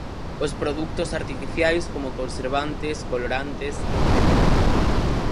Os produtos artificiais como conservantes, colorantes etcétera.